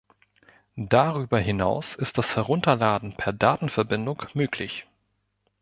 Darüber hinaus ist das Herunterladen per Datenverbindung möglich.